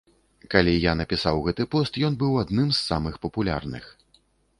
Калі я напісаў гэты пост, ён быў адным з самых папулярных.